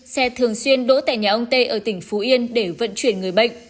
xe thường xuyên đỗ tại nhà ông tê ở tỉnh phú yên để vận chuyển người bệnh